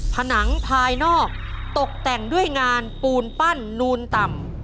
ผนังภายนอกตกแต่งด้วยงานปูนปั้นนูนต่ำ